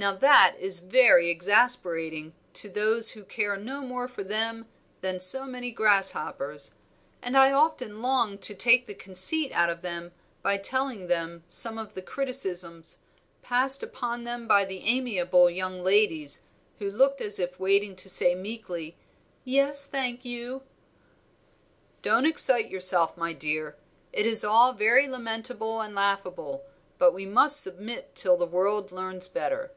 Now that is very exasperating to those who care no more for them than so many grasshoppers, and I often longed to take the conceit out of them by telling some of the criticisms passed upon them by the amiable young ladies who looked as if waiting to say meekly, 'Yes, thank you.'" "Don't excite yourself, my dear; it is all very lamentable and laughable, but we must submit till the world learns better.